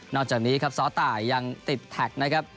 อกจากนี้ครับซ้อตายยังติดแท็กนะครับ